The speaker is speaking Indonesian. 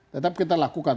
tetap kita lakukan